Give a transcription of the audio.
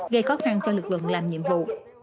gây khó khăn cho lực lượng làm nhiệm vụ